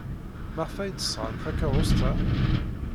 Maɣef ay d-sɣan takeṛṛust-a?